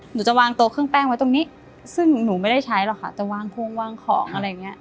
หนูจะวางโต๊ะเครื่องแป้งไว้ตรงนี้ซึ่งหนูไม่ได้ใช้หรอกค่ะแต่วางโครงวางของอะไรอย่างเงี้